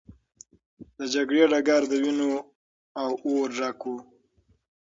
د جګړې ډګر د وینو او اور ډک و.